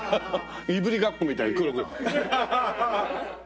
いぶりがっこみたいに黒くなる。